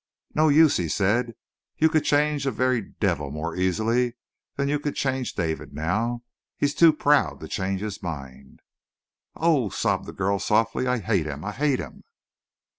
"No use!" he said. "You could change a very devil more easily than you can change David now! He's too proud to change his mind." "Oh," sobbed the girl softly, "I hate him! I hate him!"